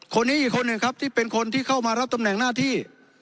คนนี้อีกคนหนึ่งครับที่เป็นคนที่เข้ามารับตำแหน่งหน้าที่